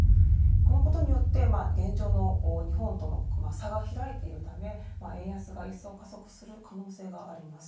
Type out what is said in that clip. このことによって、現状の日本との差が開いているため、円安が一層加速する可能性があります。